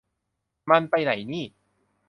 มันไปไหนนี่